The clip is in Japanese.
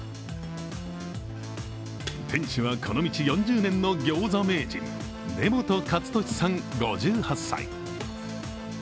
店主はこの道４０年のギョーザ名人、根本勝利さん５８歳。